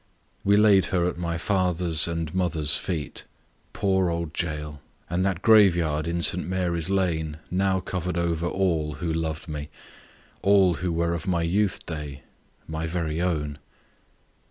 We laid her at my father's and mother's feet poor old Jael! and that grave yard in St. Mary's Lane now covered over all who loved me, all who were of my youth day my very own.